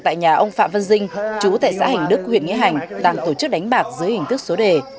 tại nhà ông phạm văn dinh chú tại xã hành đức huyện nghĩa hành đang tổ chức đánh bạc dưới hình thức số đề